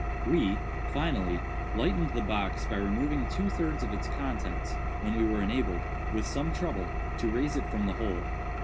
We, finally, lightened the box by removing two thirds of its contents, when we were enabled, with some trouble, to raise it from the hole.